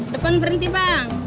depan berhenti bang